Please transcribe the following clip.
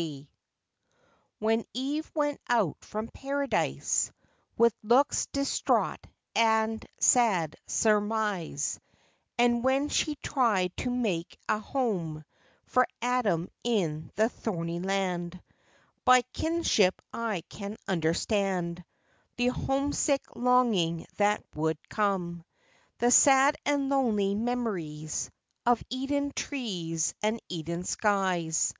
MAY. When Eve went out from Paradise With looks distraught and sad surmise, And when she tried to make a home For Adam in the thorny land, By kinship I can understand The homesick longing that would come, The sad and lonely memories Of Eden trees and Eden skies.